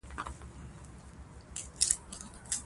ازادي راډیو د اطلاعاتی تکنالوژي د تحول لړۍ تعقیب کړې.